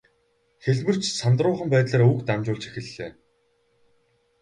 Хэлмэрч сандруухан байдлаар үг дамжуулж эхэллээ.